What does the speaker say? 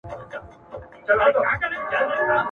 او له هیلمند څخه تر جلال آباد ..